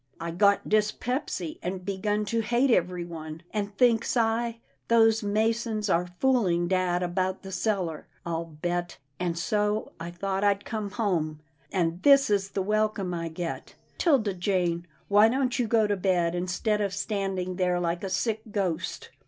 I got dyspepsy, and begun to hate everyone, and, thinks I, those masons are fooling dad about the cellar, I'll bet, and so I thought I'd come home — and this is the welcome I get — 'Tilda Jane, why don't you go to bed, instead of standing there like a sick ghost?